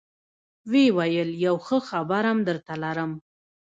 ويې ويل يو ښه خبرم درته لرم.